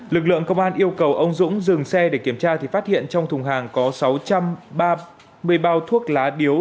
lực lượng công an yêu cầu ông dũng dừng xe để kiểm tra thì phát hiện trong thùng hàng có sáu mươi bao thuốc lá điếu